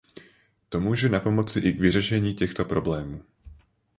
To může napomoci i k vyřešení těchto problémů.